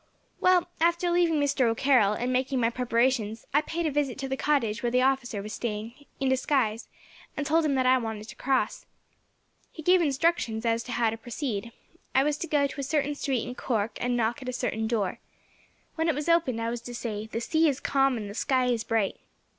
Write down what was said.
"Well, after leaving Mr. O'Carroll, and making my preparations, I paid a visit to the cottage where the officer was staying, in disguise, and told him that I wanted to cross. He gave instructions as to how to proceed. I was to go to a certain street in Cork, and knock at a certain door. When it was opened, I was to say, 'The sea is calm and the sky is bright'.